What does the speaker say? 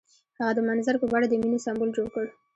هغه د منظر په بڼه د مینې سمبول جوړ کړ.